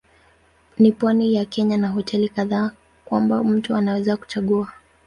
Ni pwani ya Kenya na hoteli kadhaa kwamba mtu anaweza kuchagua.